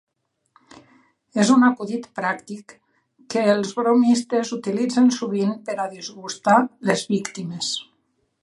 És un acudit pràctic que els bromistes utilitzen sovint per a disgustar les víctimes.